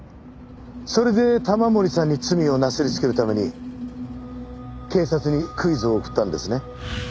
それで玉森さんに罪をなすりつけるために警察にクイズを送ったんですね？